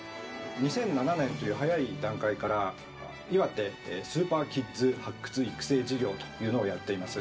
２００７年という早い段階から、岩手スーパーキッズ発掘育成事業というのをやっています。